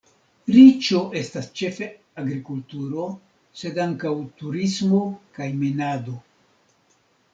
Riĉo estas ĉefe agrikulturo, sed ankaŭ turismo kaj minado.